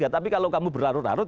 tapi kalau kamu berlarut larut